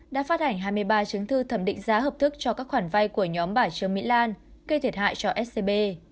đã phát hành hai mươi ba chứng thư thẩm định giá hợp thức cho các khoản vay của nhóm bà trương mỹ lan gây thiệt hại cho scb